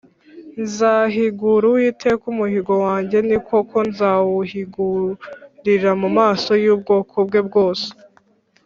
nzahigura uwiteka umuhigo wanjye, ni koko nzawuhigurira mu maso y’ubwoko bwe bwose